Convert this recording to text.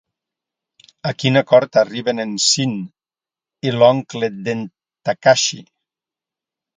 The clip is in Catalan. A quin acord arriben en Sean i l'oncle d'en Takashi?